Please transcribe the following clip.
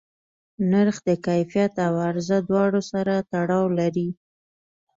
نرخ د کیفیت او عرضه دواړو سره تړاو لري.